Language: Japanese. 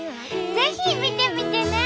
ぜひ見てみてね！